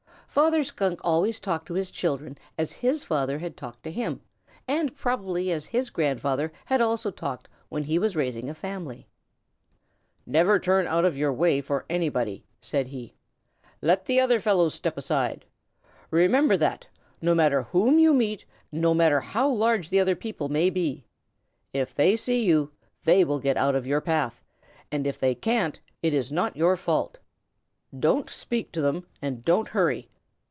Father Skunk always talked to his children as his father had talked to him, and probably as his grandfather had also talked when he was raising a family. "Never turn out of your way for anybody," said he. "Let the other fellow step aside. Remember that, no matter whom you meet and no matter how large the other people may be. If they see you, they will get out of your path, and if they can't it is not your fault. Don't speak to them and don't hurry.